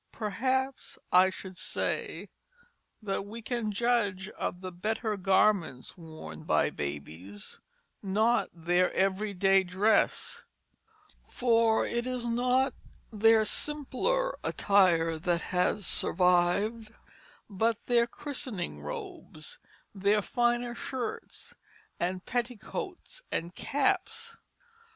Perhaps I should say that we can judge of the better garments worn by babies, not their everyday dress; for it is not their simpler attire that has survived, but their christening robes, their finer shirts and petticoats and caps.